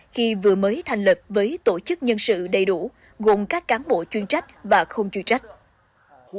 khi vừa mới thành lập với tổ chức nhân sự đầy đủ gồm các cán bộ chuyên trách và không chuyên trách